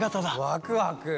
ワクワク。